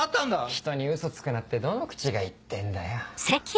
人に嘘つくなってどの口が言ってんだよ。